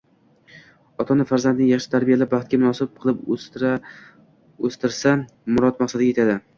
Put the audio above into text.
Ota-ona farzandni yaxshi tarbiyalab, baxtga munosib qilib o‘stirsa, murod-maqsadiga yetadi.